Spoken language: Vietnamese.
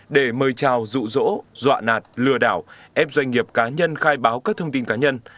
để mời chào rụ rỗ dọa nạt lừa đảo ép doanh nghiệp cá nhân khai báo các thông tin cá nhân